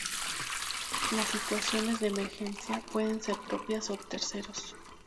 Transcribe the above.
Las situaciones de emergencia pueden ser propias o de terceros.